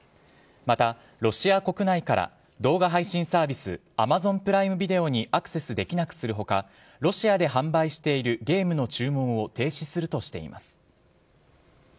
また、ロシア国内から動画配信サービスアマゾン・プライム・ビデオにアクセスできなくする他ロシアで販売しているゲームの注文を停止するとしています。